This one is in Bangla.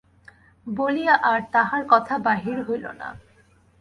বলিয়া আর তাঁহার কথা বাহির হইল না।